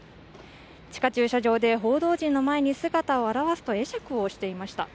地下駐車場で報道陣の前に姿を現すと会釈をしていました。